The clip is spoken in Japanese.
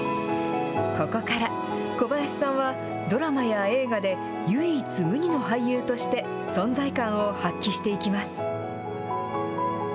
ここから、小林さんはドラマや映画で、唯一無二の俳優として、存在感を発揮していきます。